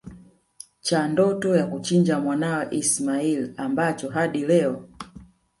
cha ndoto ya kuchinja mwanawe ismail ambacho hadi Leo